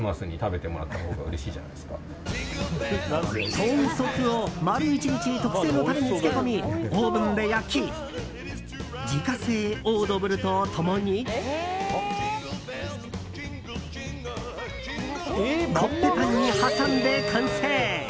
豚足を丸１日特製のタレに漬け込みオーブンで焼き自家製オードブルと共にコッペパンに挟んで完成。